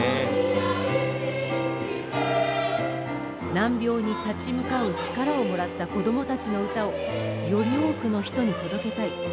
難病に立ち向かう力をもらった子供たちの歌をより多くの人に届けたい。